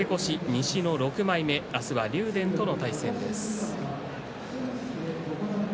西の６枚目明日は竜電との対戦です。